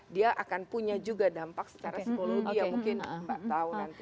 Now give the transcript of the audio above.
dia akan punya juga dampak secara psikologi ya mungkin mbak tahu nanti